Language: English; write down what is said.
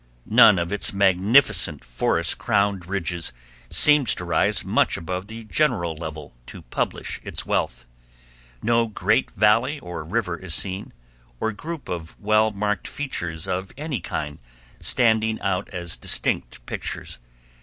None of its magnificent forest crowned ridges seems to rise much above the general level to publish its wealth. No great valley or river is seen, or group of well marked features of any kind standing out as distinct pictures.